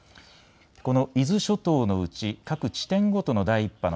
この伊豆諸島のうち各地点ごとの第１波の